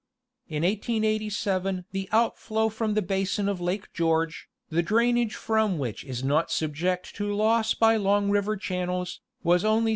In 1887, the outflow from the basin of Lake George, the drainage from which is not subject to loss by long river channels, was only 3.